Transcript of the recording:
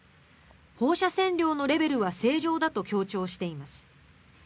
放射線量のレベルは正常だと強調しています。